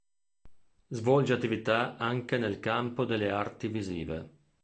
Svolge attività anche nel campo delle arti visive.